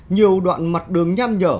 nhiều đoạn mặt đường nham nhở